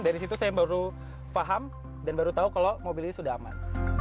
dari situ saya baru paham dan baru tahu kalau mobil ini sudah aman